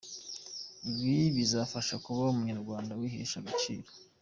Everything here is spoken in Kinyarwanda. Ibi bizabafasha kuba abanyarwanda bihesha agaciro.